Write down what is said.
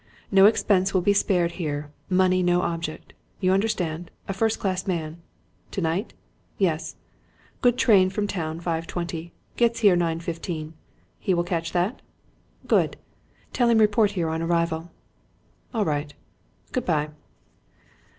No expense will be spared here money no object. You understand a first class man? Tonight? Yes. Good train from town five twenty gets here nine fifteen. He will catch that? Good. Tell him report here on arrival. All right. Good bye."